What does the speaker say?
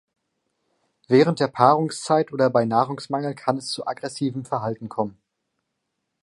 Während der Paarungszeit oder bei Nahrungsmangel kann es zu aggressivem Verhalten kommen.